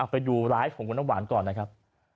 ไปดูไลฟ์ของคุณน้ำหวานก่อนนะครับ